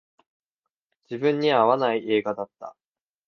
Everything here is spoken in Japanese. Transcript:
自分には合わない映画だった